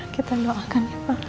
kita doakan ya pak